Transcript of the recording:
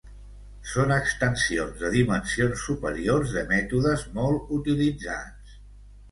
Són extensions de dimensions superiors de mètodes molt utilitzats.